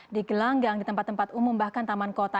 di gelanggang di tempat tempat umum bahkan taman kota